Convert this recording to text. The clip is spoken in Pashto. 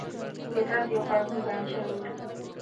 د فطرت یو قانون بیان شوی دی.